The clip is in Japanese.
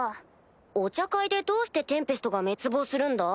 お茶会でどうしてテンペストが滅亡するんだ？